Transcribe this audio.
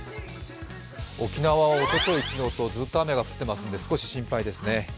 沖縄はおととい、昨日とずっと雨が降ってますんで少し心配ですね。